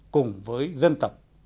cùng với dân tộc